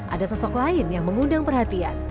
ada sosok lain yang mengundang perhatian